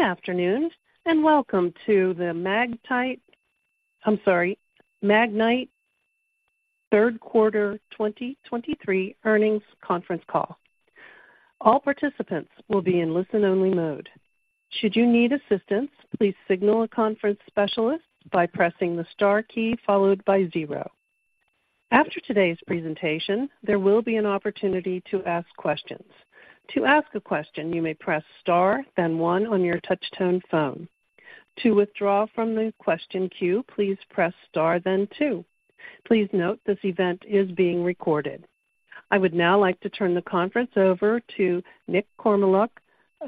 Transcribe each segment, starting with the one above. Good afternoon, and welcome to the Magnite third quarter 2023 earnings conference call. All participants will be in listen-only mode. Should you need assistance, please signal a conference specialist by pressing the star key followed by zero. After today's presentation, there will be an opportunity to ask questions. To ask a question, you may press Star, then one on your touch-tone phone. To withdraw from the question queue, please press Star, then two. Please note, this event is being recorded. I would now like to turn the conference over to Nick Kormeluk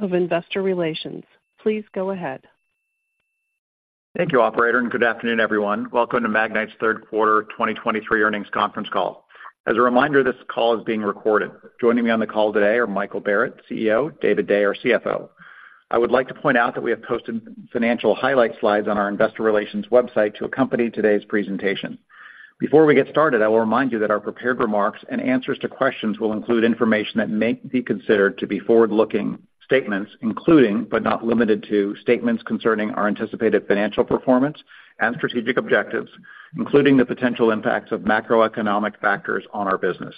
of Investor Relations. Please go ahead. Thank you, operator, and good afternoon, everyone. Welcome to Magnite's third quarter 2023 earnings conference call. As a reminder, this call is being recorded. Joining me on the call today are Michael Barrett, CEO, David Day, our CFO. I would like to point out that we have posted financial highlight slides on our investor relations website to accompany today's presentation. Before we get started, I will remind you that our prepared remarks and answers to questions will include information that may be considered to be forward-looking statements, including, but not limited to, statements concerning our anticipated financial performance and strategic objectives, including the potential impacts of macroeconomic factors on our business.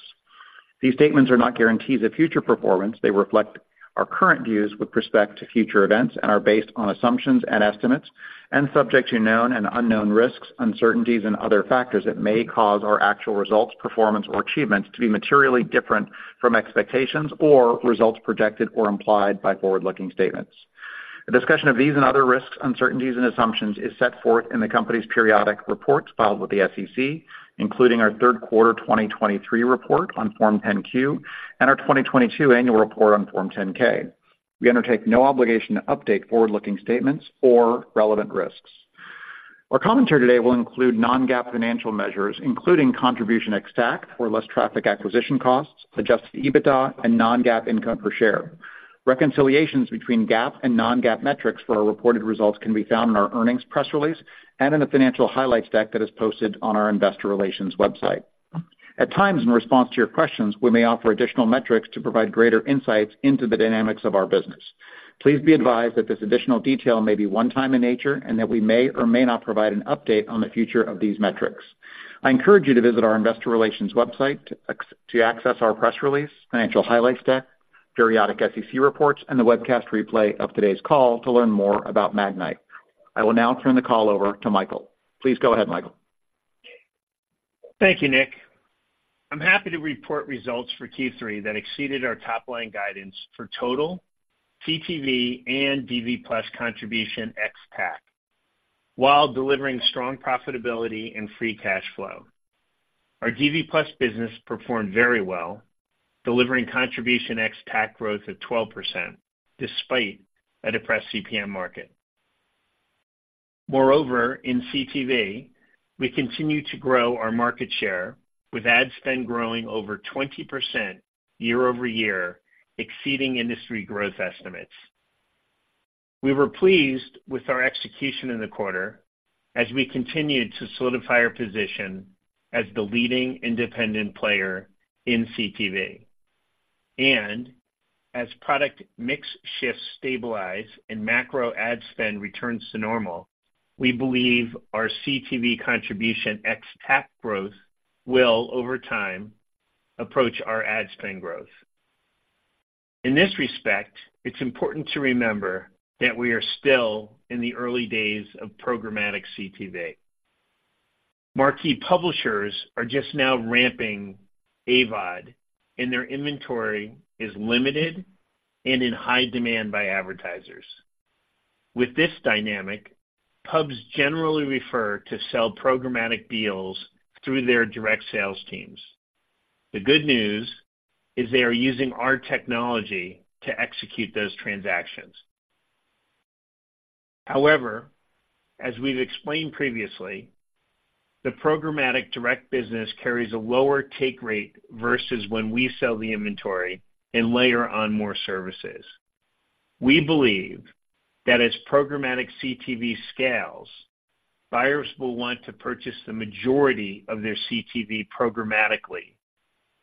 These statements are not guarantees of future performance. They reflect our current views with respect to future events and are based on assumptions and estimates, and subject to known and unknown risks, uncertainties, and other factors that may cause our actual results, performance, or achievements to be materially different from expectations or results projected or implied by forward-looking statements. A discussion of these and other risks, uncertainties, and assumptions is set forth in the company's periodic reports filed with the SEC, including our third quarter 2023 report on Form 10-Q and our 2022 annual report on Form 10-K. We undertake no obligation to update forward-looking statements or relevant risks. Our commentary today will include non-GAAP financial measures, including contribution ex-TAC or less traffic acquisition costs, Adjusted EBITDA, and non-GAAP income per share. Reconciliations between GAAP and non-GAAP metrics for our reported results can be found in our earnings press release and in the financial highlights deck that is posted on our investor relations website. At times, in response to your questions, we may offer additional metrics to provide greater insights into the dynamics of our business. Please be advised that this additional detail may be one time in nature, and that we may or may not provide an update on the future of these metrics. I encourage you to visit our investor relations website to access our press release, financial highlights deck, periodic SEC reports, and the webcast replay of today's call to learn more about Magnite. I will now turn the call over to Michael. Please go ahead, Michael. Thank you, Nick. I'm happy to report results for Q3 that exceeded our top-line guidance for total, CTV, and DV+ contribution ex-TAC, while delivering strong profitability and free cash flow. Our DV+ business performed very well, delivering contribution ex-TAC growth of 12%, despite a depressed CPM market. Moreover, in CTV, we continue to grow our market share, with ad spend growing over 20% year-over-year, exceeding industry growth estimates. We were pleased with our execution in the quarter as we continued to solidify our position as the leading independent player in CTV. As product mix shifts stabilize and macro ad spend returns to normal, we believe our CTV contribution ex-TAC growth will, over time, approach our ad spend growth. In this respect, it's important to remember that we are still in the early days of programmatic CTV. Marquee publishers are just now ramping AVOD, and their inventory is limited and in high demand by advertisers. With this dynamic, pubs generally prefer to sell programmatic deals through their direct sales teams. The good news is they are using our technology to execute those transactions. However, as we've explained previously, the programmatic direct business carries a lower take rate versus when we sell the inventory and layer on more services. We believe that as programmatic CTV scales, buyers will want to purchase the majority of their CTV programmatically,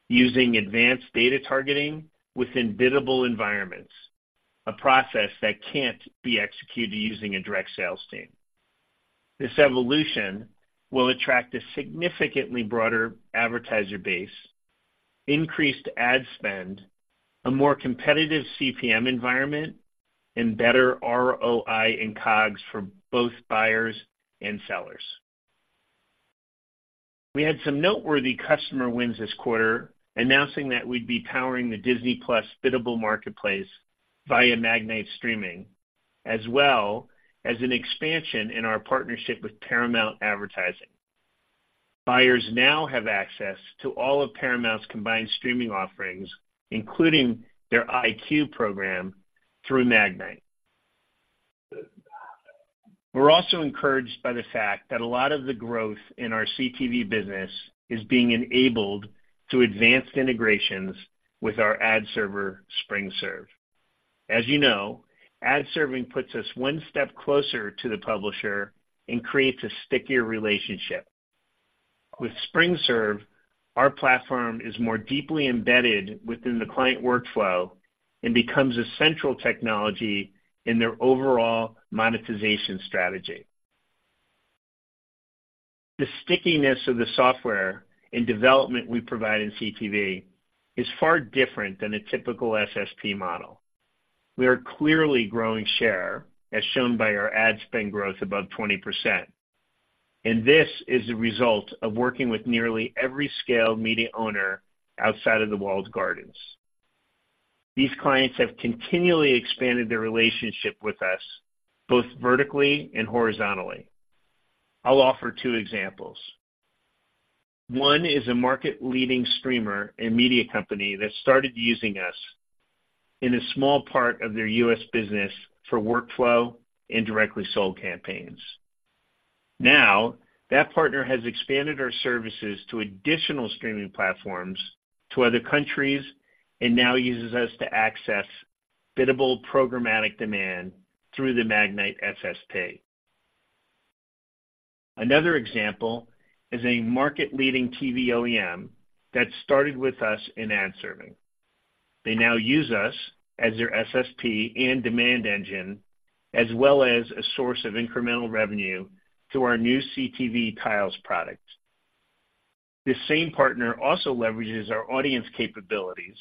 using advanced data targeting within biddable environments, a process that can't be executed using a direct sales team. This evolution will attract a significantly broader advertiser base, increased ad spend, a more competitive CPM environment, and better ROI and COGS for both buyers and sellers. We had some noteworthy customer wins this quarter, announcing that we'd be powering the Disney+ biddable marketplace via Magnite Streaming, as well as an expansion in our partnership with Paramount Advertising. Buyers now have access to all of Paramount's combined streaming offerings, including their EyeQ program, through Magnite. We're also encouraged by the fact that a lot of the growth in our CTV business is being enabled through advanced integrations with our ad server, SpringServe. As you know, ad serving puts us one step closer to the publisher and creates a stickier relationship. With SpringServe, our platform is more deeply embedded within the client workflow and becomes a central technology in their overall monetization strategy. The stickiness of the software and development we provide in CTV is far different than a typical SSP model. We are clearly growing share, as shown by our ad spend growth above 20%, and this is a result of working with nearly every scale media owner outside of the walled gardens. These clients have continually expanded their relationship with us, both vertically and horizontally. I'll offer two examples. One is a market-leading streamer and media company that started using us in a small part of their U.S. business for workflow and directly sold campaigns. Now, that partner has expanded our services to additional streaming platforms, to other countries, and now uses us to access biddable programmatic demand through the Magnite SSP. Another example is a market-leading TV OEM that started with us in ad serving. They now use us as their SSP and demand engine, as well as a source of incremental revenue through our new CTV Tiles product. This same partner also leverages our audience capabilities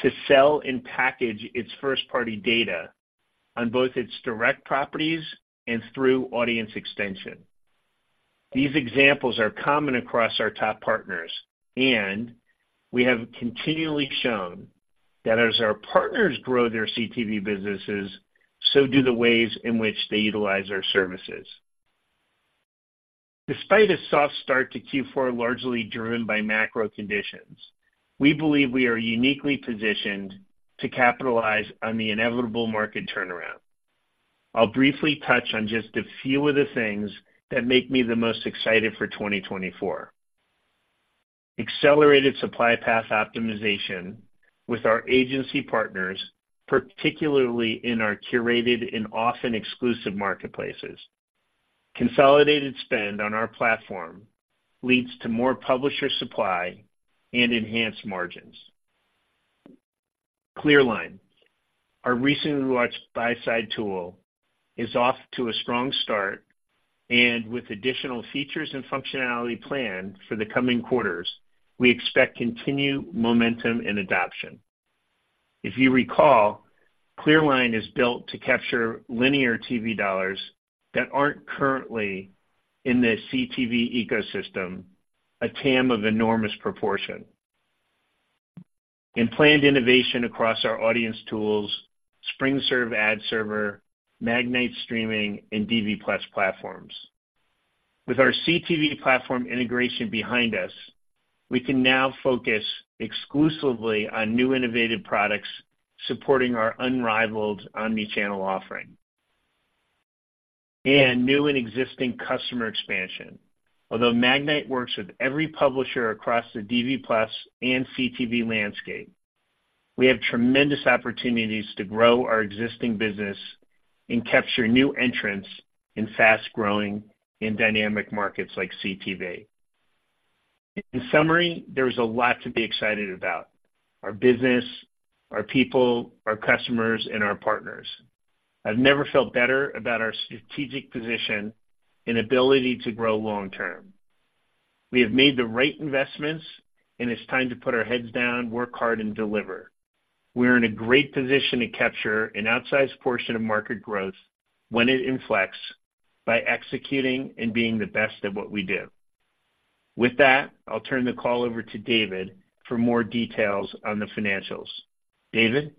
to sell and package its first-party data on both its direct properties and through audience extension. These examples are common across our top partners, and we have continually shown that as our partners grow their CTV businesses, so do the ways in which they utilize our services. Despite a soft start to Q4, largely driven by macro conditions, we believe we are uniquely positioned to capitalize on the inevitable market turnaround. I'll briefly touch on just a few of the things that make me the most excited for 2024. Accelerated supply path optimization with our agency partners, particularly in our curated and often exclusive marketplaces. Consolidated spend on our platform leads to more publisher supply and enhanced margins. ClearLine, our recently launched buy-side tool, is off to a strong start, and with additional features and functionality planned for the coming quarters, we expect continued momentum and adoption. If you recall, ClearLine is built to capture linear TV dollars that aren't currently in the CTV ecosystem, a TAM of enormous proportion. In planned innovation across our audience tools, SpringServe ad server, Magnite Streaming, and DV+ platforms. With our CTV platform integration behind us, we can now focus exclusively on new innovative products, supporting our unrivaled omni-channel offering, and new and existing customer expansion. Although Magnite works with every publisher across the DV+ and CTV landscape, we have tremendous opportunities to grow our existing business and capture new entrants in fast-growing and dynamic markets like CTV. In summary, there is a lot to be excited about: our business, our people, our customers, and our partners. I've never felt better about our strategic position and ability to grow long term. We have made the right investments, and it's time to put our heads down, work hard, and deliver. We're in a great position to capture an outsized portion of market growth when it inflects, by executing and being the best at what we do. With that, I'll turn the call over to David for more details on the financials. David?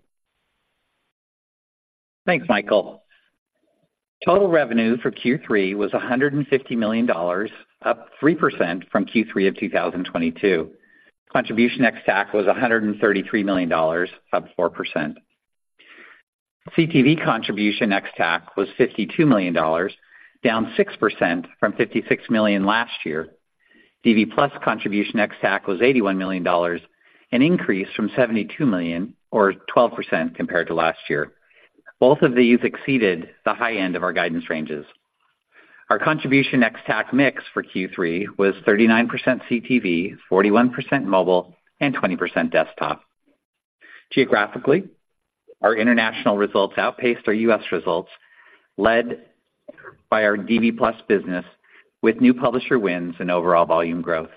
Thanks, Michael. Total revenue for Q3 was $150 million, up 3% from Q3 of 2022. Contribution ex TAC was $133 million, up 4%. CTV contribution ex TAC was $52 million, down 6% from $56 million last year. DV+ contribution ex TAC was $81 million, an increase from $72 million or 12% compared to last year. Both of these exceeded the high end of our guidance ranges. Our contribution ex TAC mix for Q3 was 39% CTV, 41% mobile, and 20% desktop. Geographically, our international results outpaced our U.S. results, led by our DV+ business, with new publisher wins and overall volume growth.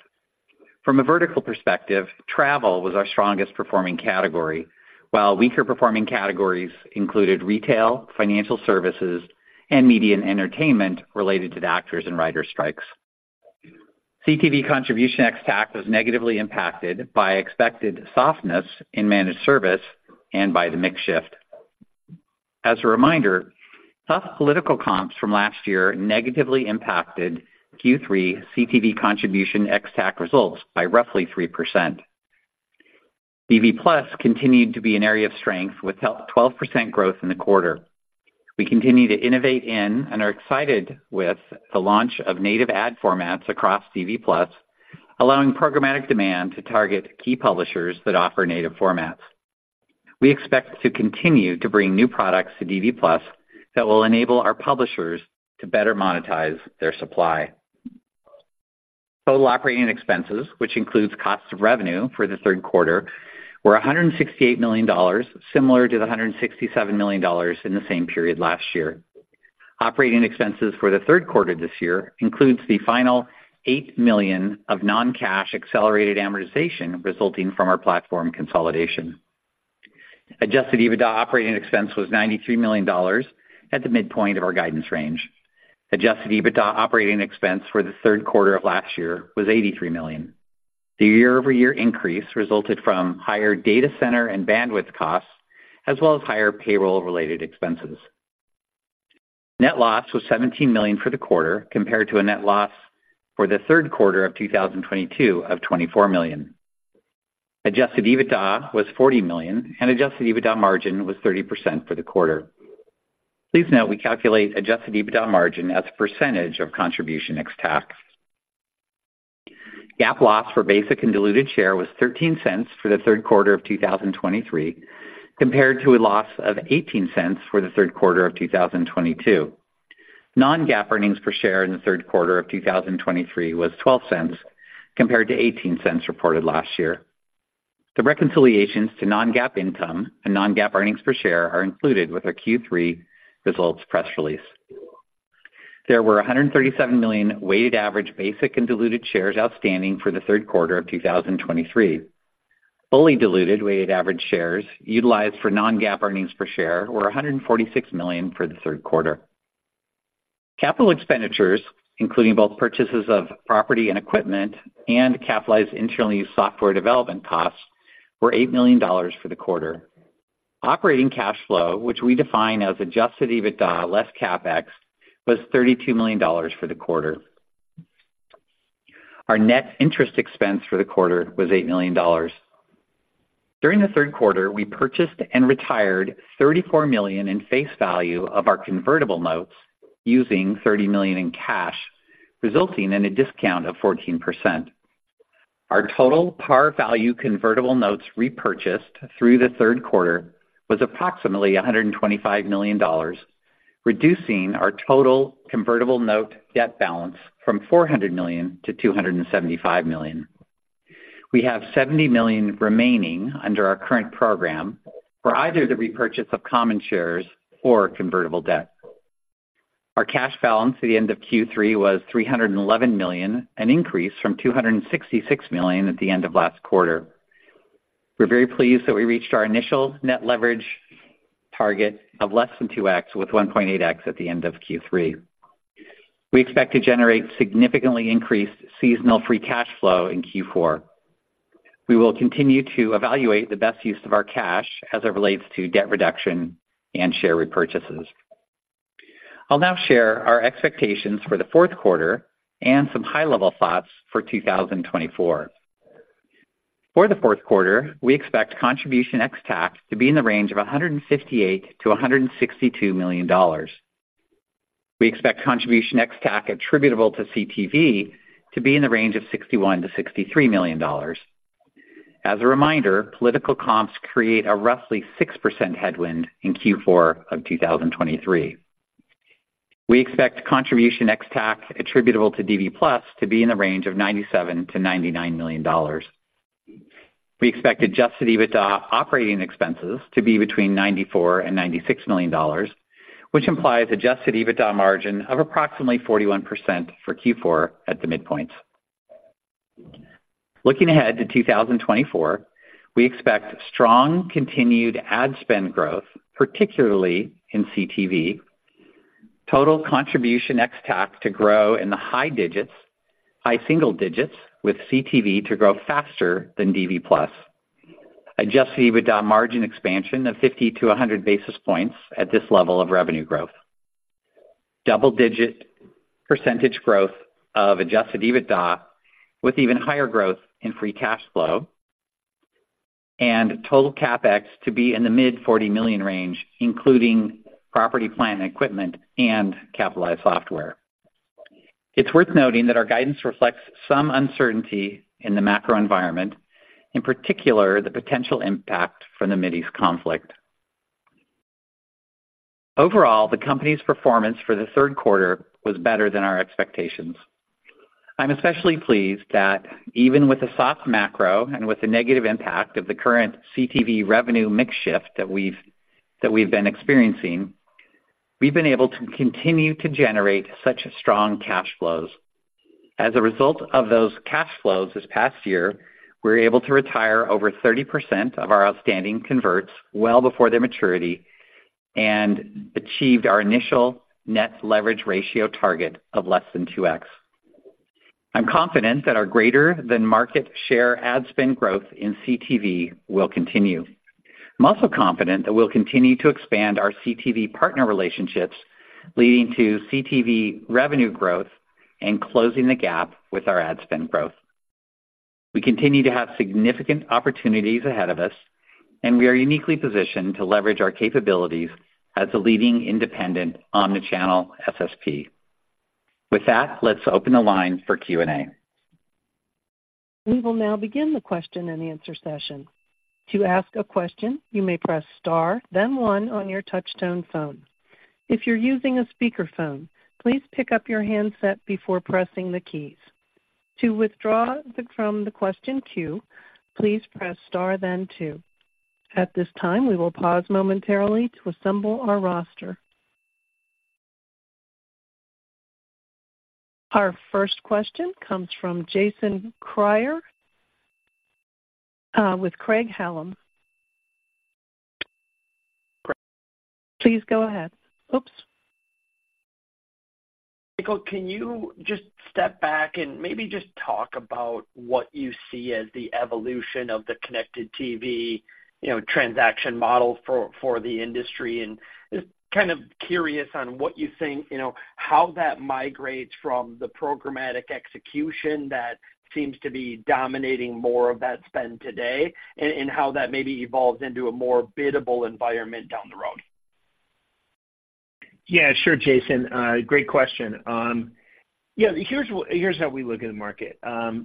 From a vertical perspective, travel was our strongest performing category, while weaker performing categories included retail, financial services, and media and entertainment related to the actors and writers strikes. CTV contribution ex-TAC was negatively impacted by expected softness in managed service and by the mix shift. As a reminder, tough political comps from last year negatively impacted Q3 CTV contribution ex-TAC results by roughly 3%. DV+ continued to be an area of strength, with 12% growth in the quarter. We continue to innovate in and are excited with the launch of native ad formats across DV+, allowing programmatic demand to target key publishers that offer native formats. We expect to continue to bring new products to DV+ that will enable our publishers to better monetize their supply. Total operating expenses, which includes cost of revenue for the third quarter, were $168 million, similar to the $167 million in the same period last year. Operating expenses for the third quarter this year includes the final $8 million of non-cash accelerated amortization resulting from our platform consolidation. Adjusted EBITDA operating expense was $93 million, at the midpoint of our guidance range. Adjusted EBITDA operating expense for the third quarter of last year was $83 million. The year-over-year increase resulted from higher data center and bandwidth costs, as well as higher payroll-related expenses. Net loss was $17 million for the quarter, compared to a net loss for the third quarter of 2022 of $24 million. Adjusted EBITDA was $40 million, and adjusted EBITDA margin was 30% for the quarter. Please note, we calculate Adjusted EBITDA margin as a percentage of contribution ex-TAC. GAAP loss for basic and diluted share was $0.13 for the third quarter of 2023, compared to a loss of $0.18 for the third quarter of 2022. Non-GAAP earnings per share in the third quarter of 2023 was $0.12, compared to $0.18 reported last year. The reconciliations to non-GAAP income and non-GAAP earnings per share are included with our Q3 results press release. There were 137 million weighted average basic and diluted shares outstanding for the third quarter of 2023. Fully diluted weighted average shares utilized for non-GAAP earnings per share were 146 million for the third quarter. Capital expenditures, including both purchases of property and equipment and capitalized internally used software development costs, were $8 million for the quarter. Operating cash flow, which we define as Adjusted EBITDA less CapEx, was $32 million for the quarter. Our net interest expense for the quarter was $8 million. During the third quarter, we purchased and retired $34 million in face value of our convertible notes using $30 million in cash, resulting in a discount of 14%. Our total par value convertible notes repurchased through the third quarter was approximately $125 million, reducing our total convertible note debt balance from $400 million-$275 million. We have $70 million remaining under our current program for either the repurchase of common shares or convertible debt. Our cash balance at the end of Q3 was $311 million, an increase from $266 million at the end of last quarter. We're very pleased that we reached our initial net leverage target of less than 2x, with 1.8x at the end of Q3. We expect to generate significantly increased seasonal free cash flow in Q4. We will continue to evaluate the best use of our cash as it relates to debt reduction and share repurchases. I'll now share our expectations for the fourth quarter and some high-level thoughts for 2024. For the fourth quarter, we expect contribution ex-TAC to be in the range of $158 million-$162 million. We expect contribution ex-TAC attributable to CTV to be in the range of $61 million-$63 million. As a reminder, political comps create a roughly 6% headwind in Q4 of 2023. We expect contribution ex-TAC attributable to DV+ to be in the range of $97 million-$99 million. We expect adjusted EBITDA operating expenses to be between $94 million and $96 million, which implies adjusted EBITDA margin of approximately 41% for Q4 at the midpoint. Looking ahead to 2024, we expect strong continued ad spend growth, particularly in CTV. Total contribution ex-TAC to grow in the high digits- high single digits, with CTV to grow faster than DV+. Adjusted EBITDA margin expansion of 50 to 100 basis points at this level of revenue growth. Double-digit % growth of adjusted EBITDA, with even higher growth in free cash flow and total CapEx to be in the mid-$40 million range, including property, plant, and equipment, and capitalized software. It's worth noting that our guidance reflects some uncertainty in the macro environment, in particular, the potential impact from the Mideast conflict. Overall, the company's performance for the third quarter was better than our expectations. I'm especially pleased that even with the soft macro and with the negative impact of the current CTV revenue mix shift that we've been experiencing, we've been able to continue to generate such strong cash flows. As a result of those cash flows this past year, we were able to retire over 30% of our outstanding converts well before their maturity and achieved our initial net leverage ratio target of less than 2x. I'm confident that our greater-than-market share ad spend growth in CTV will continue. I'm also confident that we'll continue to expand our CTV partner relationships, leading to CTV revenue growth and closing the gap with our ad spend growth. We continue to have significant opportunities ahead of us, and we are uniquely positioned to leverage our capabilities as a leading independent omni-channel SSP. With that, let's open the line for Q&A.... We will now begin the question-and-answer session. To ask a question, you may press star, then one on your touchtone phone. If you're using a speakerphone, please pick up your handset before pressing the keys. To withdraw from the question queue, please press star then two. At this time, we will pause momentarily to assemble our roster. Our first question comes from Jason Kreyer with Craig-Hallum. Please go ahead. Oops. Michael, can you just step back and maybe just talk about what you see as the evolution of the connected TV, you know, transaction model for, for the industry? Just kind of curious on what you think, you know, how that migrates from the programmatic execution that seems to be dominating more of that spend today, and, and how that maybe evolves into a more biddable environment down the road. Yeah, sure, Jason, great question. Yeah, here's how we look at the market.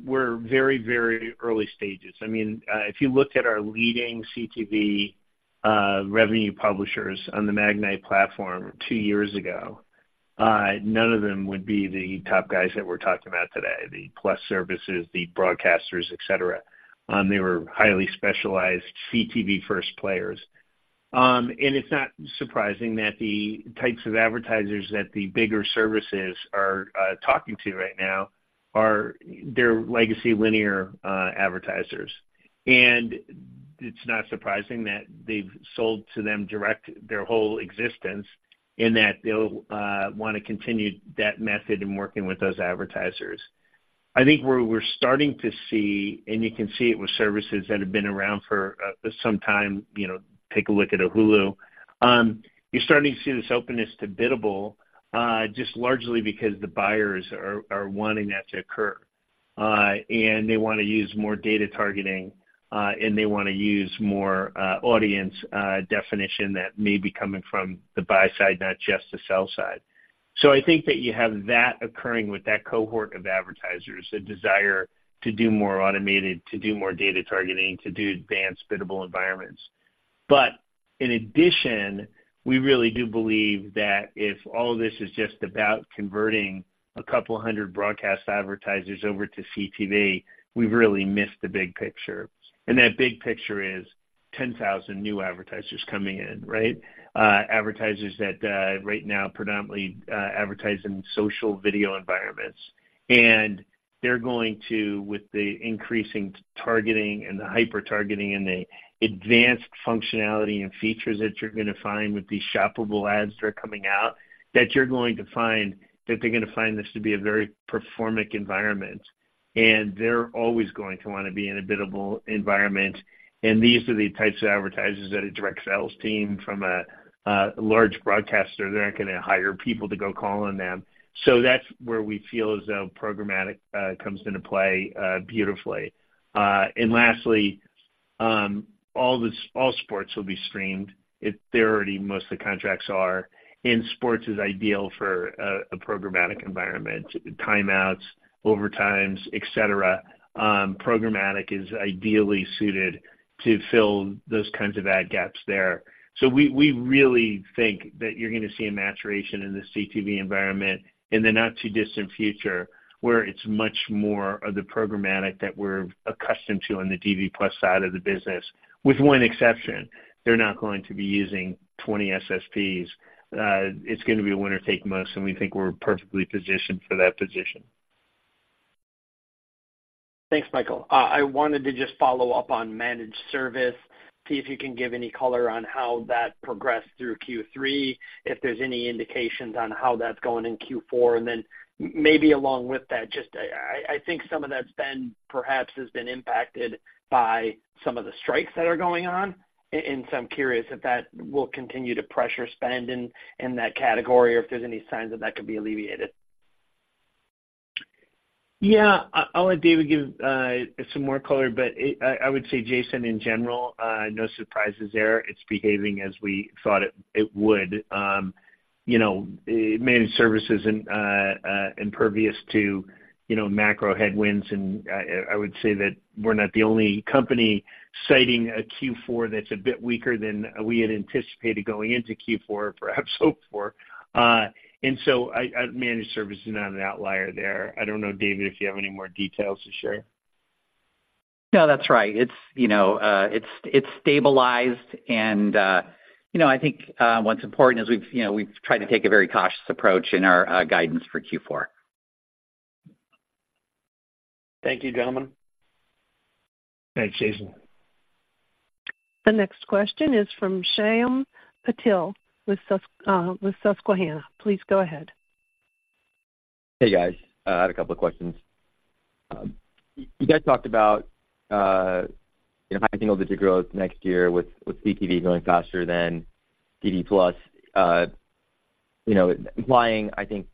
We're very, very early stages. I mean, if you looked at our leading CTV revenue publishers on the Magnite platform two years ago, none of them would be the top guys that we're talking about today, the plus services, the broadcasters, et cetera. They were highly specialized CTV-first players. And it's not surprising that the types of advertisers that the bigger services are talking to right now are their legacy linear advertisers. And it's not surprising that they've sold to them direct their whole existence, and that they'll want to continue that method in working with those advertisers. I think where we're starting to see, and you can see it with services that have been around for some time, you know, take a look at a Hulu. You're starting to see this openness to biddable, just largely because the buyers are wanting that to occur. And they want to use more data targeting, and they want to use more audience definition that may be coming from the buy side, not just the sell side. So I think that you have that occurring with that cohort of advertisers, a desire to do more automated, to do more data targeting, to do advanced biddable environments. But in addition, we really do believe that if all of this is just about converting a couple hundred broadcast advertisers over to CTV, we've really missed the big picture. That big picture is 10,000 new advertisers coming in, right? Advertisers that, right now predominantly, advertise in social video environments. And they're going to, with the increasing targeting and the hyper targeting and the advanced functionality and features that you're going to find with these shoppable ads that are coming out, that they're going to find this to be a very performance environment. And they're always going to want to be in a biddable environment. And these are the types of advertisers that a direct sales team from a large broadcaster, they're not going to hire people to go call on them. So that's where we feel as though programmatic comes into play, beautifully. And lastly, all sports will be streamed. They're already, most of the contracts are, and sports is ideal for a programmatic environment, timeouts, overtimes, et cetera. Programmatic is ideally suited to fill those kinds of ad gaps there. So we, we really think that you're going to see a maturation in the CTV environment in the not-too-distant future, where it's much more of the programmatic that we're accustomed to on the DV+ side of the business, with one exception, they're not going to be using 20 SSPs. It's going to be a winner-take-most, and we think we're perfectly positioned for that position. Thanks, Michael. I wanted to just follow up on managed service, see if you can give any color on how that progressed through Q3, if there's any indications on how that's going in Q4. And then maybe along with that, just, I think some of that spend perhaps has been impacted by some of the strikes that are going on. And so I'm curious if that will continue to pressure spend in that category, or if there's any signs that that could be alleviated. Yeah, I'll let David give some more color, but I would say, Jason, in general, no surprises there. It's behaving as we thought it would. You know, Managed Service isn't impervious to, you know, macro headwinds. And I would say that we're not the only company citing a Q4 that's a bit weaker than we had anticipated going into Q4, or perhaps hoped for. And so Managed Service is not an outlier there. I don't know, David, if you have any more details to share. No, that's right. It's, you know, it's stabilized and, you know, I think, what's important is we've, you know, tried to take a very cautious approach in our guidance for Q4. Thank you, gentlemen. Thanks, Jason. The next question is from Shyam Patil with Susquehanna. Please go ahead. Hey, guys. I had a couple of questions. You guys talked about, you know, high single-digit growth next year with CTV growing faster than DV+, you know, implying, I think,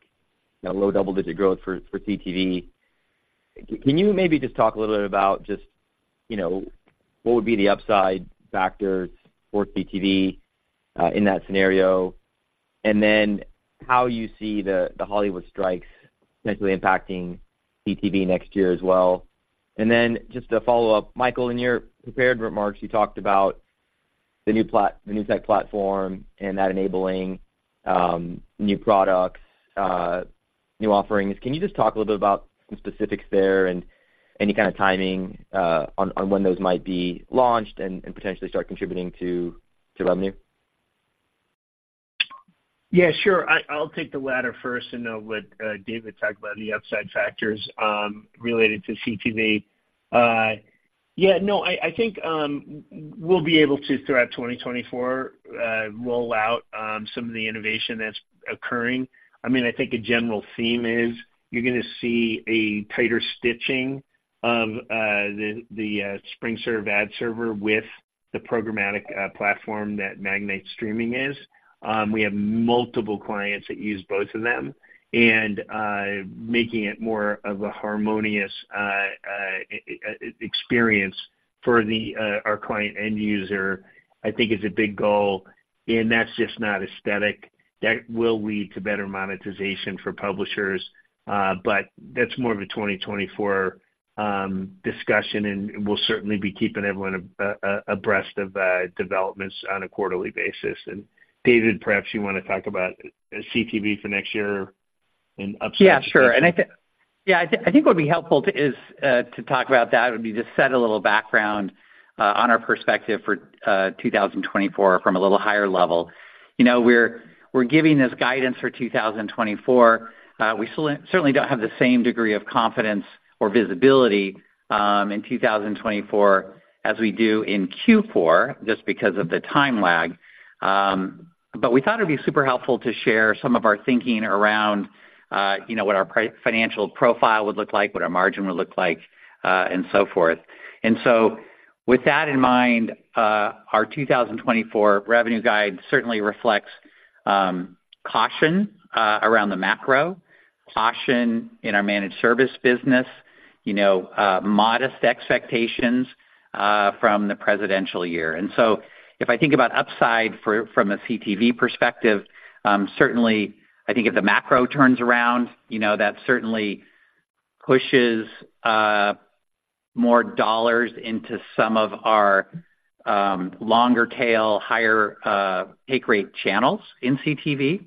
you know, low double-digit growth for CTV. Can you maybe just talk a little bit about just, you know, what would be the upside factors for CTV in that scenario? And then how you see the Hollywood strikes potentially impacting CTV next year as well? And then just to follow up, Michael, in your prepared remarks, you talked about the new tech platform and that enabling new products, new offerings. Can you just talk a little bit about some specifics there and any kind of timing on when those might be launched and potentially start contributing to revenue? Yeah, sure. I'll take the latter first and let David talk about the upside factors related to CTV. Yeah, no, I think we'll be able to, throughout 2024, roll out some of the innovation that's occurring. I mean, I think a general theme is you're gonna see a tighter stitching of the SpringServe ad server with the programmatic platform that Magnite Streaming is. We have multiple clients that use both of them, and making it more of a harmonious experience for our client end user, I think is a big goal. And that's just not aesthetic. That will lead to better monetization for publishers, but that's more of a 2024 discussion, and we'll certainly be keeping everyone abreast of developments on a quarterly basis. And David, perhaps you want to talk about CTV for next year and upside? Yeah, sure. And I think what would be helpful is to talk about that, would be just to set a little background on our perspective for 2024 from a little higher level. You know, we're giving this guidance for 2024. We certainly don't have the same degree of confidence or visibility in 2024 as we do in Q4, just because of the time lag. But we thought it'd be super helpful to share some of our thinking around, you know, what our financial profile would look like, what our margin would look like, and so forth. And so with that in mind, our 2024 revenue guide certainly reflects caution around the macro, caution in our managed service business, you know, modest expectations from the presidential year. And so if I think about upside from a CTV perspective, certainly I think if the macro turns around, you know, that certainly pushes more dollars into some of our longer tail, higher take rate channels in CTV.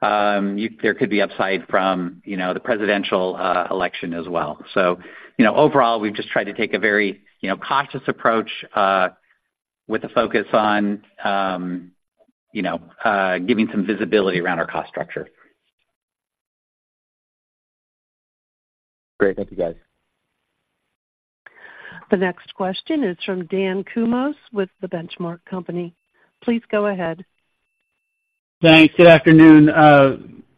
There could be upside from, you know, the presidential election as well. So, you know, overall, we've just tried to take a very, you know, cautious approach with a focus on, you know, giving some visibility around our cost structure. Great. Thank you, guys. The next question is from Dan Kurnos with The Benchmark Company. Please go ahead. Thanks. Good afternoon,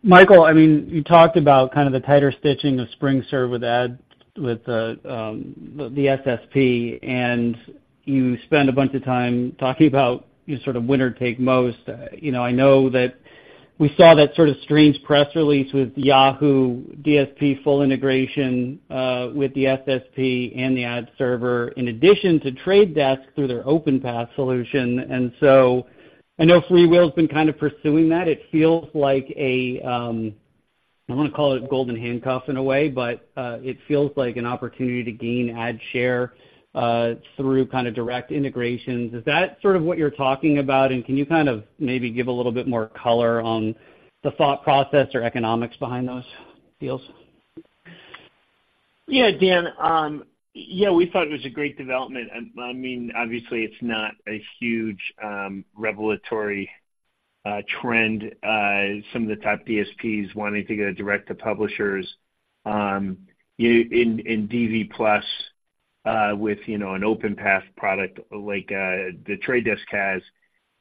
Michael. I mean, you talked about kind of the tighter stitching of SpringServe with the SSP, and you spent a bunch of time talking about your sort of winner take most. You know, I know that we saw that sort of strange press release with Yahoo DSP full integration with the SSP and the ad server, in addition to Trade Desk through their OpenPath solution. And so I know FreeWheel's been kind of pursuing that. It feels like a, I don't want to call it a golden handcuff in a way, but it feels like an opportunity to gain ad share through kind of direct integrations. Is that sort of what you're talking about? And can you kind of maybe give a little bit more color on the thought process or economics behind those deals? Yeah, Dan, yeah, we thought it was a great development. I mean, obviously it's not a huge revelatory trend, some of the top DSPs wanting to go direct to publishers in DV+ with, you know, an OpenPath product like the Trade Desk has.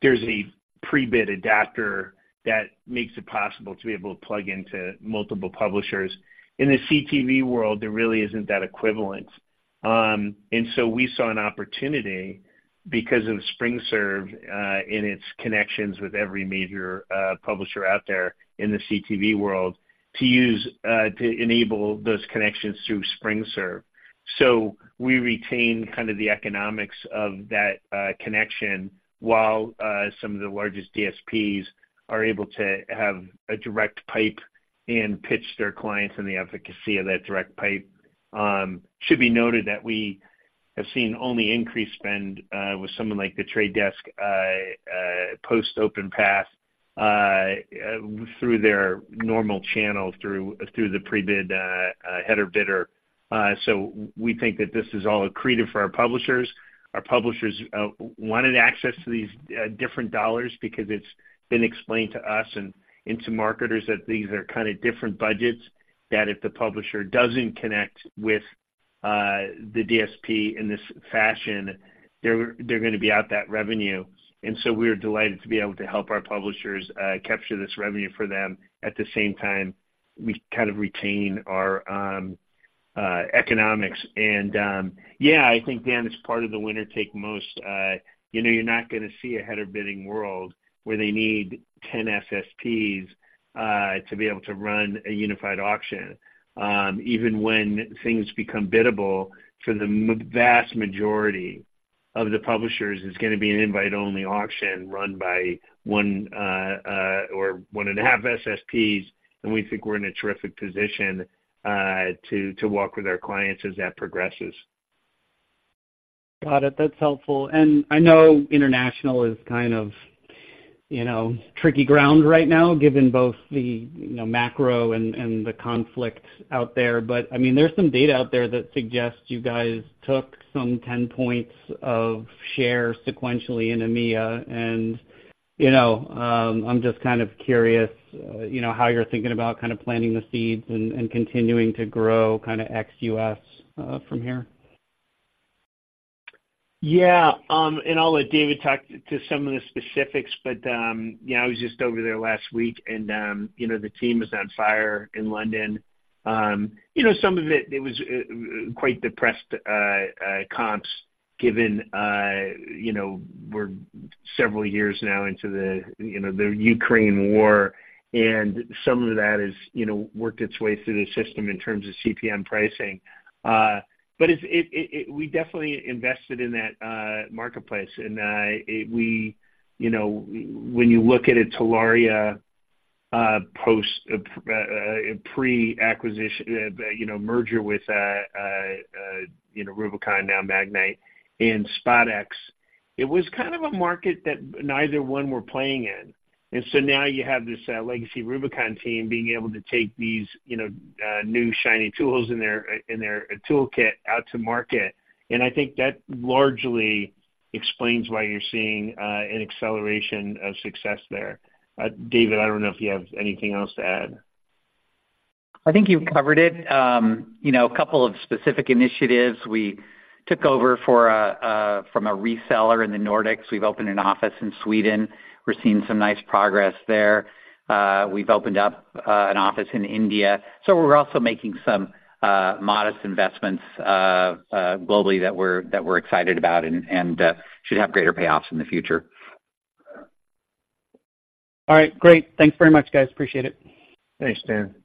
There's a Prebid Adapter that makes it possible to be able to plug into multiple publishers. In the CTV world, there really isn't that equivalent. And so we saw an opportunity because of SpringServe and its connections with every major publisher out there in the CTV world to enable those connections through SpringServe. So we retain kind of the economics of that connection, while some of the largest DSPs are able to have a direct pipe and pitch their clients on the efficacy of that direct pipe. Should be noted that we have seen only increased spend with someone like The Trade Desk post OpenPath through their normal channel, through the Prebid header bidding. So we think that this is all accretive for our publishers. Our publishers wanted access to these different dollars because it's been explained to us and to marketers that these are kind of different budgets, that if the publisher doesn't connect with the DSP in this fashion, they're gonna be out that revenue. So we're delighted to be able to help our publishers capture this revenue for them. At the same time, we kind of retain our economics. Yeah, I think, Dan, it's part of the winner take most. You know, you're not gonna see a header bidding world where they need 10 SSPs to be able to run a unified auction. Even when things become biddable, for the vast majority of the publishers is going to be an invite-only auction run by one or 1.5 SSPs, and we think we're in a terrific position to work with our clients as that progresses. Got it. That's helpful. And I know international is kind of, you know, tricky ground right now, given both the, you know, macro and the conflict out there. But, I mean, there's some data out there that suggests you guys took some 10 points of share sequentially in EMEA. And, you know, I'm just kind of curious, you know, how you're thinking about kind of planting the seeds and continuing to grow kind of ex-U.S. from here? Yeah, and I'll let David talk to some of the specifics, but, you know, I was just over there last week, and, you know, the team was on fire in London. You know, some of it was quite depressed comps, given, you know, we're several years now into the Ukraine war, and some of that is, you know, worked its way through the system in terms of CPM pricing. But it's, we definitely invested in that marketplace. And, we you know, when you look at a Telaria post pre-acquisition, you know, merger with, you know, Rubicon, now Magnite and SpotX, it was kind of a market that neither one were playing in. So now you have this legacy Rubicon team being able to take these, you know, new shiny tools in their toolkit out to market. I think that largely explains why you're seeing an acceleration of success there. David, I don't know if you have anything else to add. I think you've covered it. You know, a couple of specific initiatives. We took over for from a reseller in the Nordics. We've opened an office in Sweden. We're seeing some nice progress there. We've opened up an office in India. So we're also making some modest investments globally that we're excited about and should have greater payoffs in the future. All right, great. Thanks very much, guys. Appreciate it. Thanks, Dan.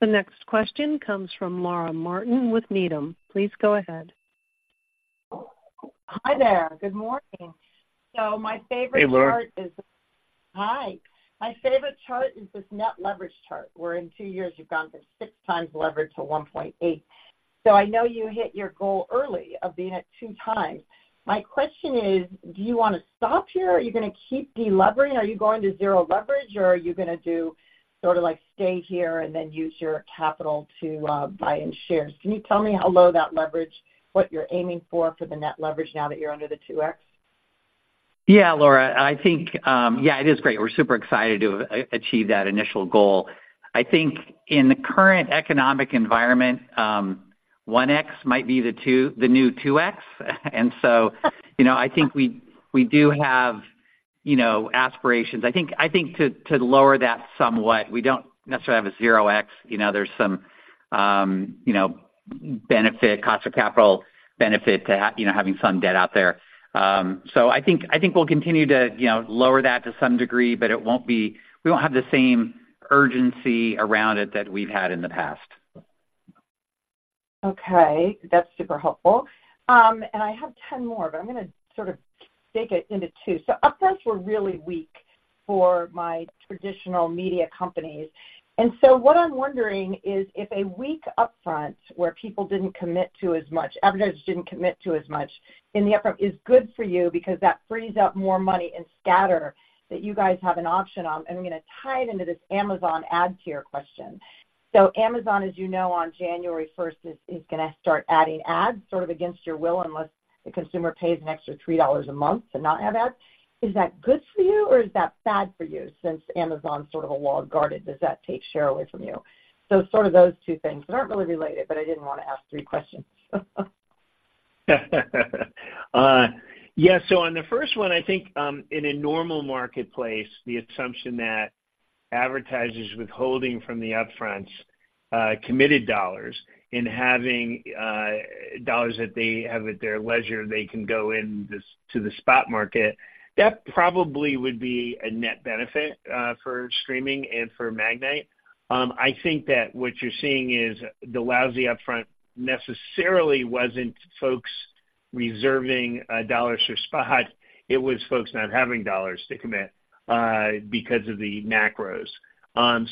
The next question comes from Laura Martin with Needham. Please go ahead. Hi there. Good morning. So my favorite- Hey, Laura. Hi. My favorite chart is this net leverage chart, where in two years you've gone from 6x leverage to 1.8. So I know you hit your goal early of being at 2x. My question is: do you want to stop here? Are you going to keep deleveraging? Are you going to 0 leverage, or are you going to do sort of like, stay here and then use your capital to buy in shares? Can you tell me how low that leverage, what you're aiming for, for the net leverage now that you're under the 2x? Yeah, Laura, I think, yeah, it is great. We're super excited to have achieved that initial goal. I think in the current economic environment, 1x might be the new 2x. And so, you know, I think we do have, you know, aspirations. I think to lower that somewhat, we don't necessarily have a 0x. You know, there's some benefit, cost of capital benefit to having some debt out there. So I think we'll continue to, you know, lower that to some degree, but it won't be. We won't have the same urgency around it that we've had in the past. Okay, that's super helpful. And I have 10 more, but I'm going to sort of break it into two. So upfronts were really weak for my traditional media companies. And so what I'm wondering is, if a weak upfront where people didn't commit to as much, advertisers didn't commit to as much in the upfront, is good for you because that frees up more money in scatter that you guys have an option on. And I'm going to tie it into this Amazon ad tier question. So Amazon, as you know, on January first, is going to start adding ads, sort of against your will, unless the consumer pays an extra $3 a month to not have ads. Is that good for you, or is that bad for you, since Amazon's sort of a walled garden, does that take share away from you? So sort of those two things. They aren't really related, but I didn't want to ask three questions. Yeah, so on the first one, I think in a normal marketplace, the assumption that advertisers withholding from the upfronts committed dollars and having dollars that they have at their leisure, they can go in this to the spot market, that probably would be a net benefit for streaming and for Magnite. I think that what you're seeing is the lousy upfront necessarily wasn't folks reserving dollars for spot. It was folks not having dollars to commit because of the macros.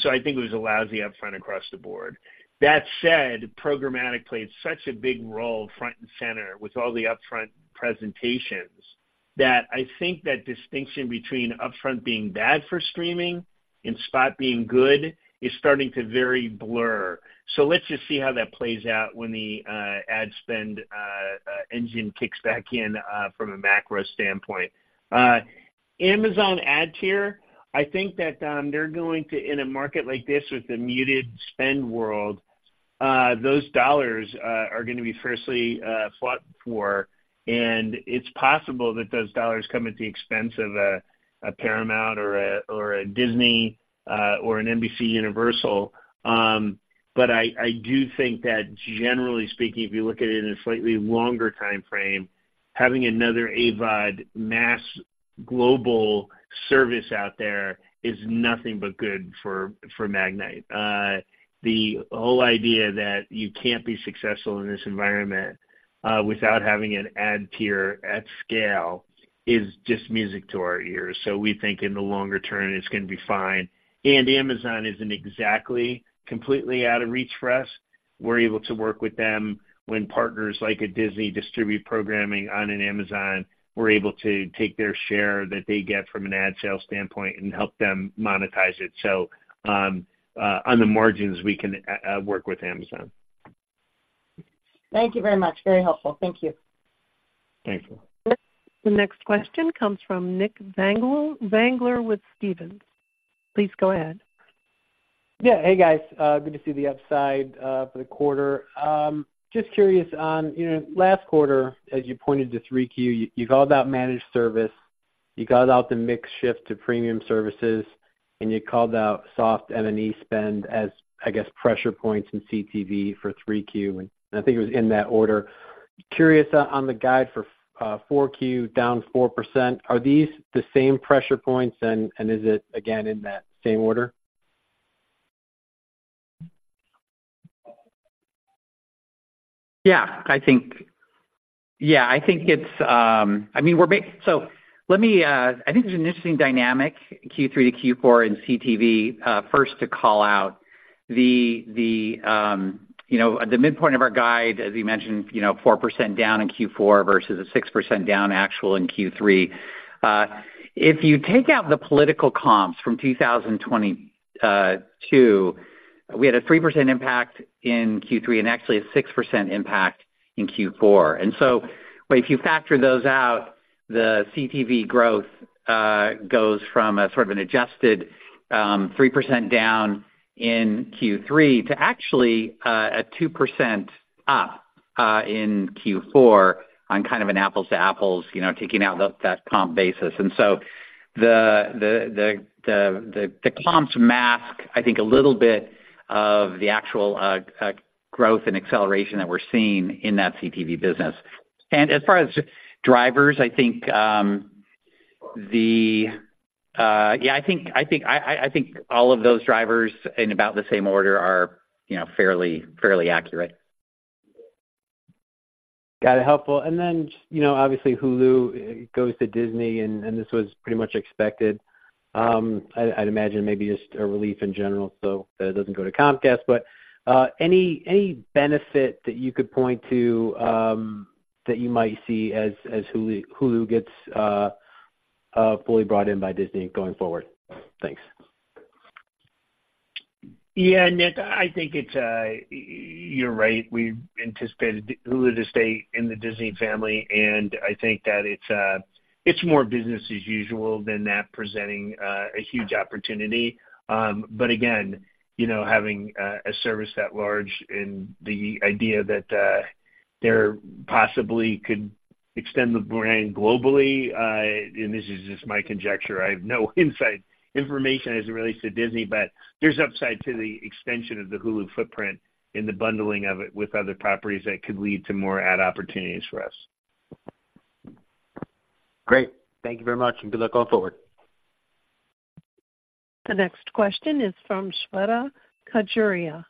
So I think it was a lousy upfront across the board. That said, programmatic played such a big role front and center with all the upfront presentations, that I think that distinction between upfront being bad for streaming and spot being good is starting to very blur. So let's just see how that plays out when the ad spend engine kicks back in from a macro standpoint. Amazon ad tier, I think that they're going to, in a market like this, with the muted spend world, those dollars are going to be firstly fought for. And it's possible that those dollars come at the expense of a Paramount or a Disney or an NBCUniversal. But I do think that generally speaking, if you look at it in a slightly longer timeframe, having another AVOD mass global service out there is nothing but good for Magnite. The whole idea that you can't be successful in this environment without having an ad tier at scale is just music to our ears. So we think in the longer term, it's gonna be fine. Amazon isn't exactly completely out of reach for us. We're able to work with them when partners like a Disney distribute programming on an Amazon, we're able to take their share that they get from an ad sales standpoint and help them monetize it. So, on the margins, we can work with Amazon. Thank you very much. Very helpful. Thank you. Thank you. The next question comes from Nick Zangler with Stephens. Please go ahead. Yeah. Hey, guys, good to see the upside for the quarter. Just curious on, you know, last quarter, as you pointed to 3Q, you, you called out managed service, you called out the mix shift to premium services, and you called out soft M&E spend as, I guess, pressure points in CTV for 3Q, and I think it was in that order. Curious, on the guide for, 4Q down 4%, are these the same pressure points? And, is it again in that same order? Yeah, I think it's, I mean, so let me, I think there's an interesting dynamic, Q3 to Q4 in CTV, first to call out the, you know, the midpoint of our guide, as you mentioned, you know, 4% down in Q4 versus a 6% down actual in Q3. If you take out the political comps from 2020 too, we had a 3% impact in Q3 and actually a 6% impact in Q4. And so, but if you factor those out, the CTV growth goes from a sort of an adjusted 3% down in Q3 to actually a 2% up in Q4 on kind of an apples to apples, you know, taking out that comp basis. The comps mask, I think, a little bit of the actual growth and acceleration that we're seeing in that CTV business. And as far as drivers, I think... Yeah, I think all of those drivers in about the same order are, you know, fairly accurate. Got it. Helpful. And then, you know, obviously, Hulu goes to Disney, and this was pretty much expected. I'd imagine maybe just a relief in general, so that it doesn't go to Comcast. But any benefit that you could point to that you might see as Hulu gets fully brought in by Disney going forward? Thanks. Yeah, Nick, I think it's, you're right. We anticipated Hulu to stay in the Disney family, and I think that it's, it's more business as usual than that presenting a huge opportunity. But again, you know, having a service that large and the idea that there possibly could extend the brand globally, and this is just my conjecture, I have no insight, information as it relates to Disney, but there's upside to the extension of the Hulu footprint and the bundling of it with other properties that could lead to more ad opportunities for us. Great. Thank you very much, and good luck going forward. The next question is from Shweta Khajuria,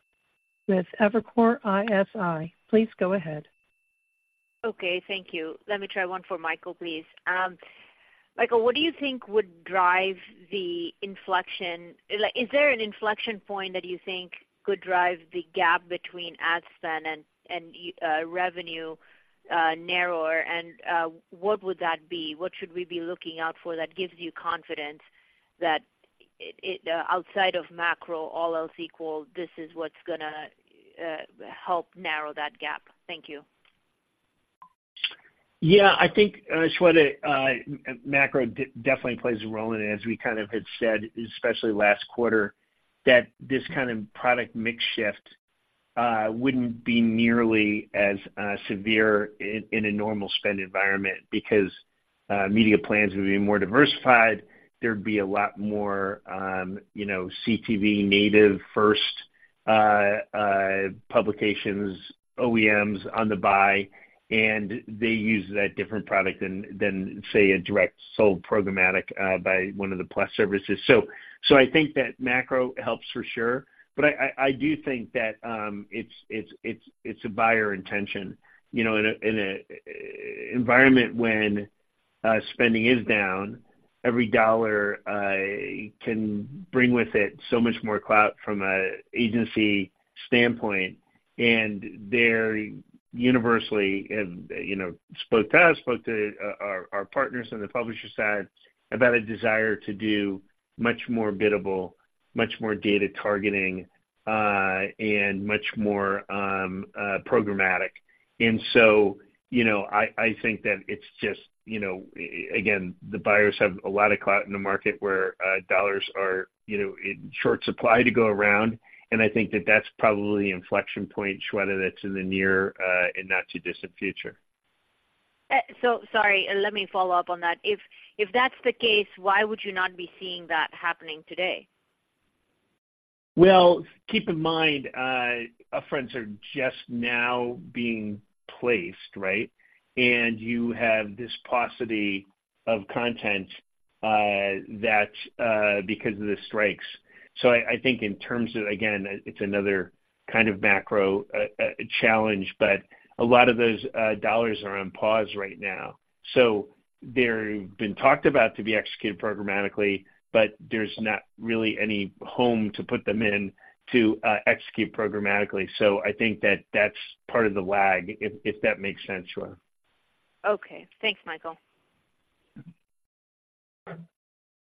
with Evercore ISI. Please go ahead. Okay, thank you. Let me try one for Michael, please. Michael, what do you think would drive the inflection—like, is there an inflection point that you think could drive the gap between ad spend and revenue narrower? And what would that be? What should we be looking out for that gives you confidence that, outside of macro, all else equal, this is what's gonna help narrow that gap? Thank you. Yeah, I think, Shweta, macro definitely plays a role in it, as we kind of had said, especially last quarter, that this kind of product mix shift wouldn't be nearly as severe in a normal spend environment because media plans would be more diversified. There'd be a lot more, you know, CTV native first publications, OEMs on the buy, and they use that different product than say, a direct sold programmatic by one of the plus services. So I think that macro helps for sure, but I do think that it's a buyer intention. You know, in an environment when spending is down, every dollar can bring with it so much more clout from an agency standpoint. And they're universally and, you know, spoke to us, spoke to, our, our partners on the publisher side about a desire to do much more biddable, much more data targeting, and much more, programmatic. And so, you know, I, I think that it's just, you know, a- again, the buyers have a lot of clout in the market where, dollars are, you know, in short supply to go around. And I think that that's probably the inflection point, Shweta, that's in the near, and not too distant future. So sorry, let me follow up on that. If that's the case, why would you not be seeing that happening today?... Well, keep in mind, our friends are just now being placed, right? And you have this paucity of content, that, because of the strikes. So I think in terms of, again, it's another kind of macro challenge, but a lot of those dollars are on pause right now. So they've been talked about to be executed programmatically, but there's not really any home to put them in to execute programmatically. So I think that that's part of the lag, if that makes sense, Shweta. Okay. Thanks, Michael.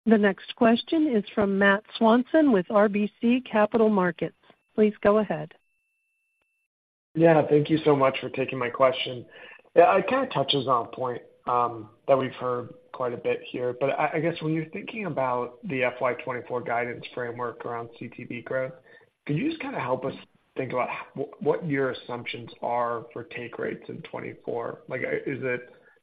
The next question is from Matt Swanson with RBC Capital Markets. Please go ahead. Yeah, thank you so much for taking my question. Yeah, it kind of touches on a point that we've heard quite a bit here. But I guess when you're thinking about the FY 2024 guidance framework around CTV growth, could you just kind of help us think about what your assumptions are for take rates in 2024? Like, is it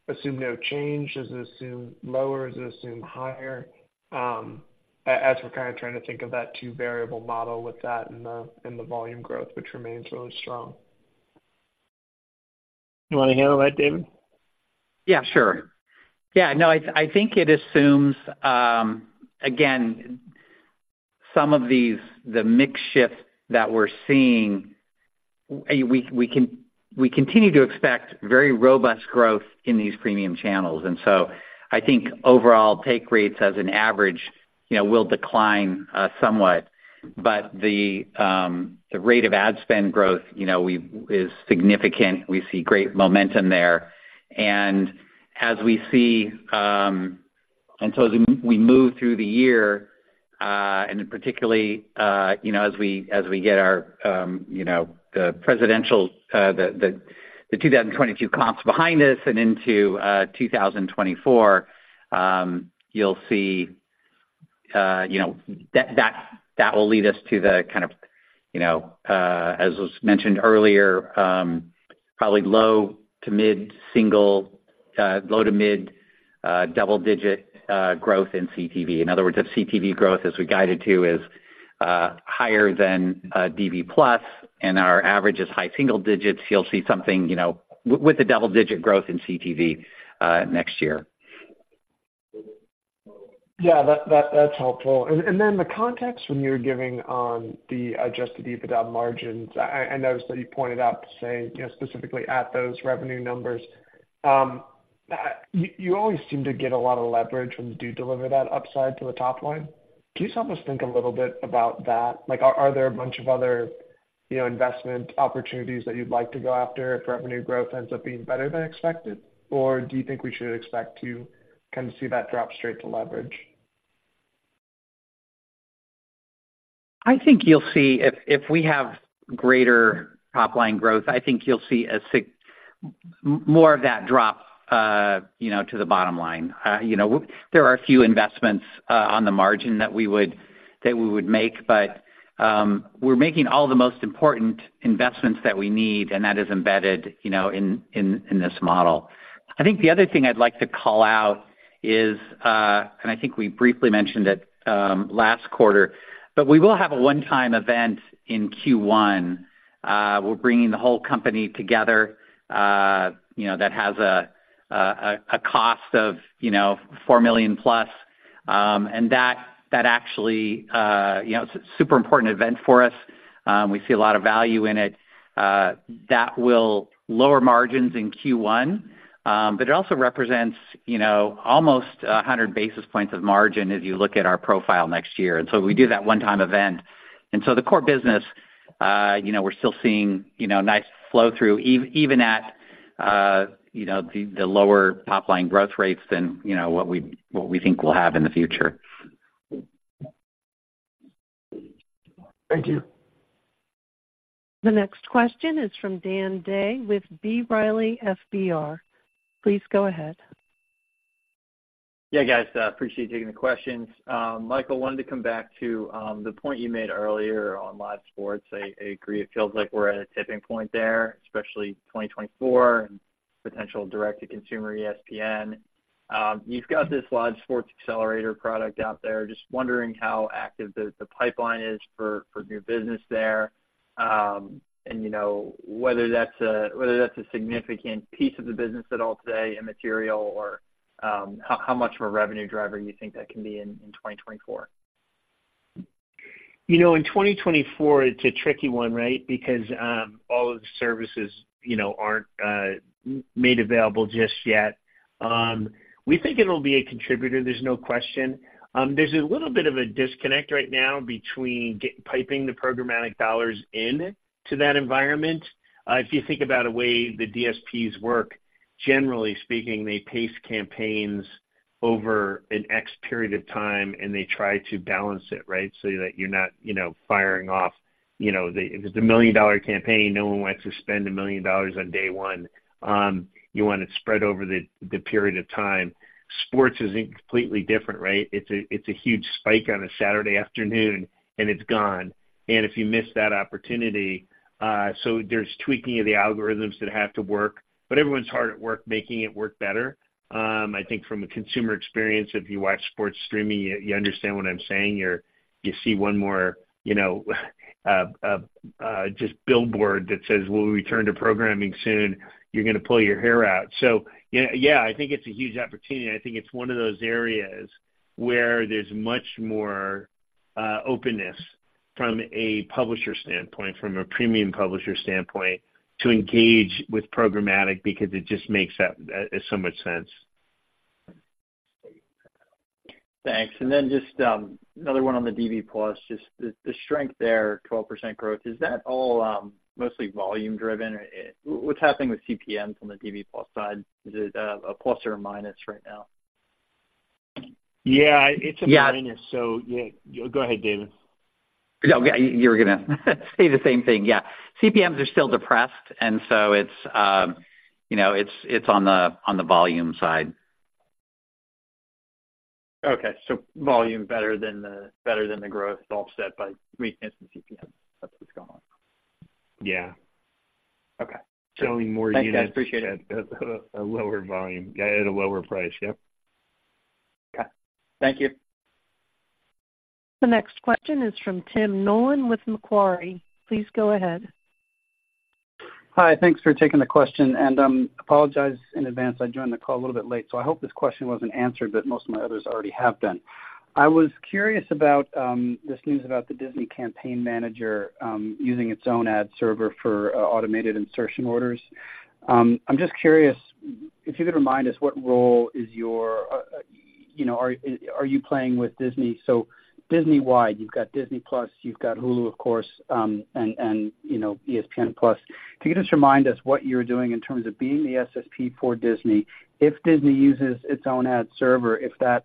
assume no change, does it assume lower, does it assume higher? As we're kind of trying to think of that two variable model with that and the volume growth, which remains really strong. You wanna handle that, David? Yeah, sure. Yeah, no, I think it assumes, again, some of these, the mix shift that we're seeing, we continue to expect very robust growth in these premium channels. And so I think overall take rates as an average, you know, will decline somewhat, but the rate of ad spend growth, you know, is significant. We see great momentum there. And as we see, and so as we move through the year, and particularly, you know, as we get our, you know, the presidential, the 2022 comps behind us and into 2024, you'll see, you know... That will lead us to the kind of, you know, as was mentioned earlier, probably low- to mid-single, low- to mid- double-digit growth in CTV. In other words, if CTV growth, as we guided to, is higher than DV+, and our average is high single digits, you'll see something, you know, with the double-digit growth in CTV next year. Yeah, that's helpful. And then the context when you were giving on the Adjusted EBITDA margins, I noticed that you pointed out to say, you know, specifically at those revenue numbers, you always seem to get a lot of leverage when you do deliver that upside to the top line. Can you just help us think a little bit about that? Like, are there a bunch of other, you know, investment opportunities that you'd like to go after if revenue growth ends up being better than expected? Or do you think we should expect to kind of see that drop straight to leverage? I think you'll see if we have greater top line growth, I think you'll see a more of that drop, you know, to the bottom line. You know, there are a few investments, on the margin that we would make, but, we're making all the most important investments that we need, and that is embedded, you know, in this model. I think the other thing I'd like to call out is, and I think we briefly mentioned it, last quarter, but we will have a one-time event in Q1. We're bringing the whole company together, you know, that has a cost of, you know, $4 million plus, and that actually, you know, it's a super important event for us. We see a lot of value in it that will lower margins in Q1, but it also represents, you know, almost 100 basis points of margin as you look at our profile next year. And so we do that one time event. And so the core business, you know, we're still seeing, you know, nice flow-through, even at, you know, the lower top line growth rates than, you know, what we, what we think we'll have in the future. Thank you. The next question is from Dan Day with B. Riley FBR. Please go ahead. Yeah, guys, appreciate you taking the questions. Michael, wanted to come back to the point you made earlier on live sports. I agree, it feels like we're at a tipping point there, especially 2024 and potential direct-to-consumer ESPN. You've got this live sports accelerator product out there. Just wondering how active the pipeline is for new business there, and you know, whether that's a significant piece of the business at all today, immaterial, or how much of a revenue driver you think that can be in 2024. You know, in 2024, it's a tricky one, right? Because all of the services, you know, aren't made available just yet. We think it'll be a contributor, there's no question. There's a little bit of a disconnect right now between piping the programmatic dollars into that environment. If you think about a way the DSPs work, generally speaking, they pace campaigns over an X period of time, and they try to balance it, right? So that you're not, you know, firing off. You know, if it's a $1 million campaign, no one wants to spend $1 million on day one. You want it spread over the period of time. Sports is completely different, right? It's a huge spike on a Saturday afternoon, and it's gone. And if you miss that opportunity... So there's tweaking of the algorithms that have to work, but everyone's hard at work, making it work better. I think from a consumer experience, if you watch sports streaming, you understand what I'm saying. You see one more, you know, just billboard that says, "We'll return to programming soon," you're gonna pull your hair out. So yeah, yeah, I think it's a huge opportunity, and I think it's one of those areas where there's much more openness from a publisher standpoint, from a premium publisher standpoint, to engage with programmatic because it just makes that so much sense. Thanks. And then just another one on the DV+, just the strength there, 12% growth. Is that all mostly volume driven? What's happening with CPMs on the DV+ side? Is it a plus or a minus right now? Yeah, it's a minus. Yeah. So, yeah. Go ahead, David. No, you were gonna say the same thing. Yeah. CPMs are still depressed, and so it's, you know, it's on the volume side. Okay. So volume better than the growth offset by weakness in CPM. That's what's going on? Yeah. Okay. Selling more units- Thanks, guys. Appreciate it. At a lower volume, at a lower price. Yep. Okay. Thank you. The next question is from Tim Nollen with Macquarie. Please go ahead. Hi, thanks for taking the question, and apologize in advance. I joined the call a little bit late, so I hope this question wasn't answered, but most of my others already have been. I was curious about this news about the Disney Campaign Manager using its own ad server for automated insertion orders. I'm just curious if you could remind us what role is your... you know, are you playing with Disney? So Disney wide, you've got Disney+, you've got Hulu, of course, and, you know, ESPN+. Can you just remind us what you're doing in terms of being the SSP for Disney, if Disney uses its own ad server, if that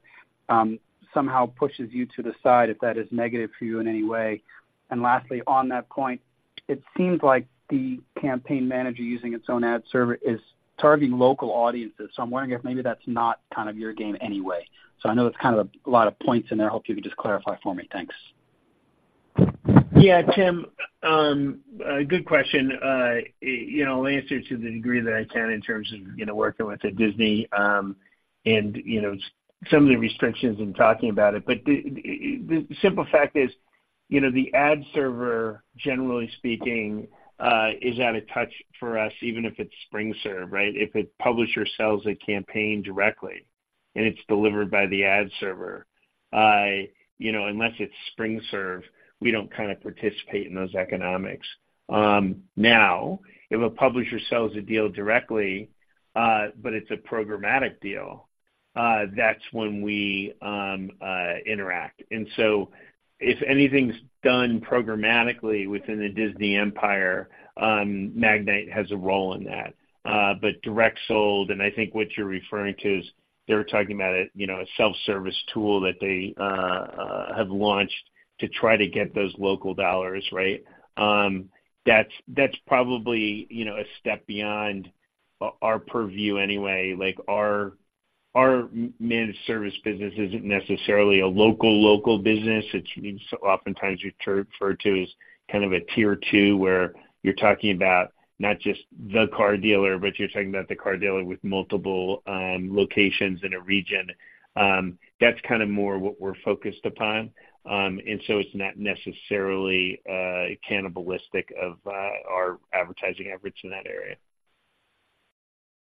somehow pushes you to the side, if that is negative for you in any way? And lastly, on that point, it seems like the campaign manager using its own ad server is targeting local audiences, so I'm wondering if maybe that's not kind of your game anyway. So I know it's kind of a lot of points in there. I hope you could just clarify for me. Thanks. Yeah, Tim, good question. You know, I'll answer to the degree that I can in terms of, you know, working with the Disney, and, you know, some of the restrictions in talking about it. But the simple fact is, you know, the ad server, generally speaking, is out of touch for us, even if it's SpringServe, right? If a publisher sells a campaign directly and it's delivered by the ad server, you know, unless it's SpringServe, we don't kind of participate in those economics. Now, if a publisher sells a deal directly, but it's a programmatic deal, that's when we interact. And so if anything's done programmatically within the Disney empire, Magnite has a role in that. But direct sold, and I think what you're referring to is, they're talking about a, you know, a self-service tool that they have launched to try to get those local dollars, right? That's probably, you know, a step beyond our purview anyway. Like, our managed service business isn't necessarily a local-local business. It's oftentimes referred to as kind of a tier two, where you're talking about not just the car dealer, but you're talking about the car dealer with multiple locations in a region. That's kind of more what we're focused upon. And so it's not necessarily cannibalistic of our advertising efforts in that area.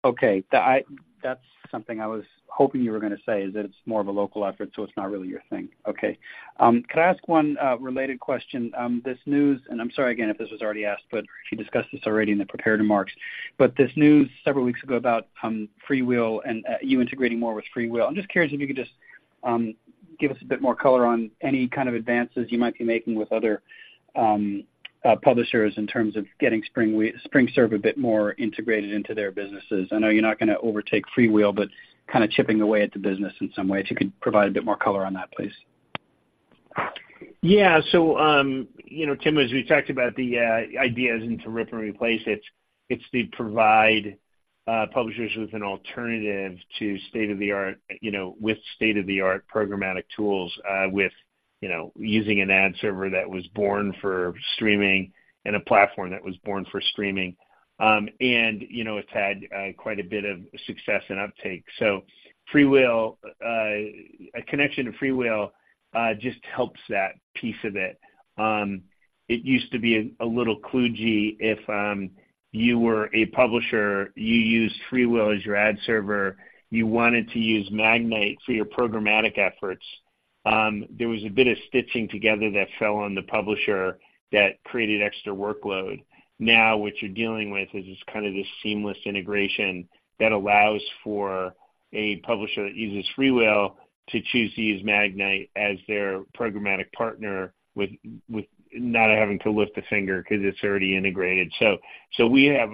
Okay. That's something I was hoping you were gonna say, is that it's more of a local effort, so it's not really your thing. Okay. Could I ask one related question? This news, and I'm sorry again if this was already asked, but if you discussed this already in the prepared remarks, but this news several weeks ago about FreeWheel and you integrating more with FreeWheel. I'm just curious if you could just give us a bit more color on any kind of advances you might be making with other publishers in terms of getting SpringServe a bit more integrated into their businesses. I know you're not gonna overtake FreeWheel, but kind of chipping away at the business in some way. If you could provide a bit more color on that, please. Yeah. So, you know, Tim, as we talked about the ideas and to rip and replace it, it's to provide publishers with an alternative to state-of-the-art, you know, with state-of-the-art programmatic tools, with, you know, using an ad server that was born for streaming and a platform that was born for streaming. And, you know, it's had quite a bit of success and uptake. So FreeWheel, a connection to FreeWheel, just helps that piece of it. It used to be a little kludgy if you were a publisher, you used FreeWheel as your ad server, you wanted to use Magnite for your programmatic efforts, there was a bit of stitching together that fell on the publisher that created extra workload. Now, what you're dealing with is just kind of this seamless integration that allows for a publisher that uses FreeWheel to choose to use Magnite as their programmatic partner, with not having to lift a finger because it's already integrated. So we have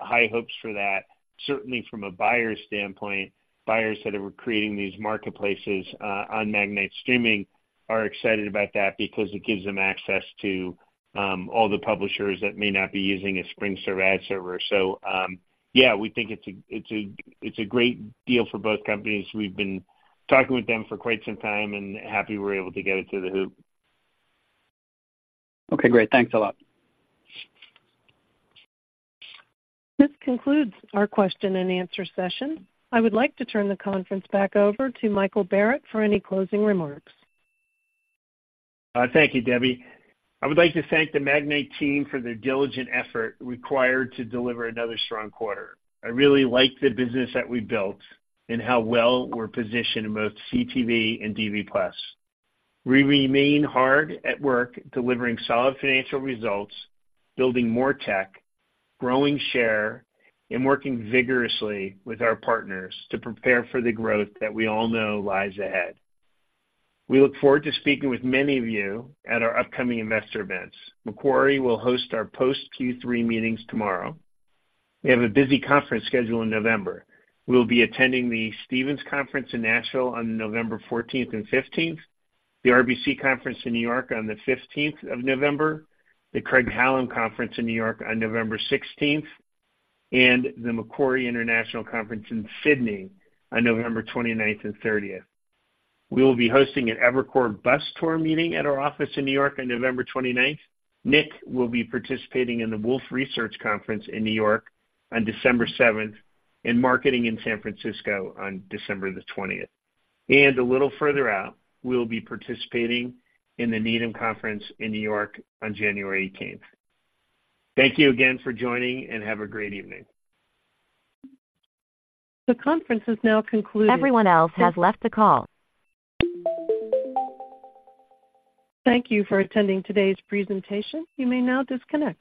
high hopes for that. Certainly from a buyer's standpoint, buyers that are creating these marketplaces on Magnite Streaming are excited about that because it gives them access to all the publishers that may not be using a SpringServe ad server. So, yeah, we think it's a great deal for both companies. We've been talking with them for quite some time and happy we're able to get it through the hoop. Okay, great. Thanks a lot. This concludes our question and answer session. I would like to turn the conference back over to Michael Barrett for any closing remarks. Thank you, Debbie. I would like to thank the Magnite team for their diligent effort required to deliver another strong quarter. I really like the business that we built and how well we're positioned in both CTV and DV+. We remain hard at work, delivering solid financial results, building more tech, growing share, and working vigorously with our partners to prepare for the growth that we all know lies ahead. We look forward to speaking with many of you at our upcoming investor events. Macquarie will host our post Q3 meetings tomorrow. We have a busy conference schedule in November. We'll be attending the Stephens Conference in Nashville on November 14th and 15th, the RBC Conference in New York on the 15th of November, the Craig-Hallum Conference in New York on November 16th, and the Macquarie International Conference in Sydney on November 29th and 30th. We will be hosting an Evercore Bus Tour meeting at our office in New York on November 29th. Nick will be participating in the Wolfe Research Conference in New York on December 7th, and marketing in San Francisco on December 20th. And a little further out, we'll be participating in the Needham Conference in New York on January 18th. Thank you again for joining, and have a great evening. The conference is now concluded. Everyone else has left the call. Thank you for attending today's presentation. You may now disconnect.